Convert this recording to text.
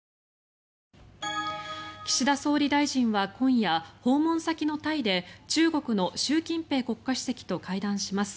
岸田総理大臣は今夜訪問先のタイで中国の習近平国家主席と会談します。